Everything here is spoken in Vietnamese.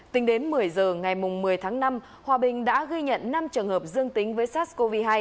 tính đến một mươi giờ ngày một mươi tháng năm hòa bình đã ghi nhận năm trường hợp dương tính với sars cov hai